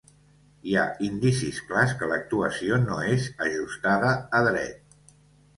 Hi ha indicis clars que l’actuació no és ajustada a dret.